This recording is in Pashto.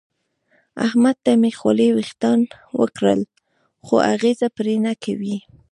احمد ته مې خولې وېښتان وکړل خو اغېزه پرې نه کوي.